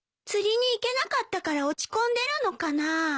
釣りに行けなかったから落ち込んでるのかな？